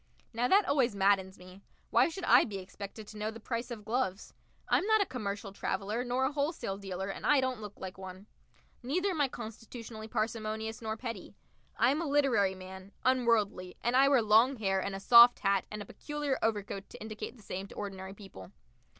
Now that always maddens me. Why should I be expected to know the price of gloves? I'm not a commercial traveller nor a wholesale dealer, and I don't look like one. Neither am I constitutionally parsimonious nor petty. I am a literary man, unworldly, and I wear long hair and a soft hat and a peculiar overcoat to indicate the same to ordinary people.